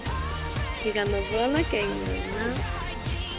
日が昇らなきゃいいのにな。